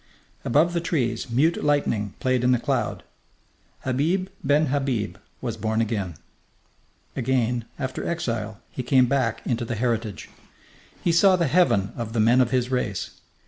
Above the trees mute lightning played in the cloud. Habib ben Habib was born again. Again, after exile, he came back into the heritage. He saw the heaven of the men of his race.